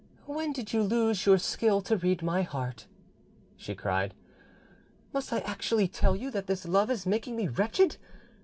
"When did you lose your skill to read my heart?" she cried. "Must I actually tell you that this love is making me wretched?